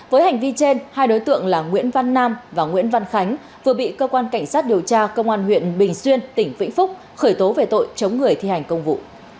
với hành vi trên hai đối tượng là nguyễn văn nam và nguyễn văn khánh vừa bị cơ quan cảnh sát điều tra công an huyện bình xuyên tỉnh vĩnh phúc khởi tố về tội chống người thi hành công vụ